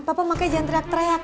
apapun makanya jangan teriak teriak